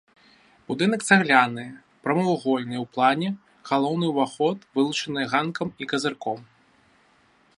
Будынак цагляны, прамавугольны ў плане, галоўны ўваход вылучаны ганкам і казырком.